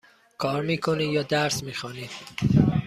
کار می کنید یا درس می خوانید؟